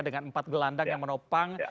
dengan empat gelandang yang menopang